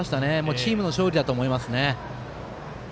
チームの勝利だと思いますね。